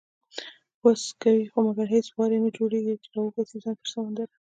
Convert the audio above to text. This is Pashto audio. وس کوي خو مګر هیڅ وار یې نه جوړیږي، چې راوباسي ځان تر سمندره